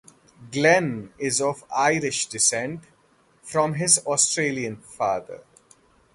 Glenn is of Irish descent from his Australian father.